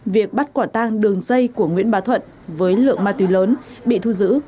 việc bắt quả tang đường dây của nguyễn bà thuận với lượng ma túy lớn bị thu giữ